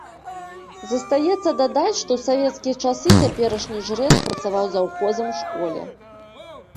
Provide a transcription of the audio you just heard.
Застаецца дадаць, што ў савецкія часы цяперашні жрэц працаваў заўхозам у школе.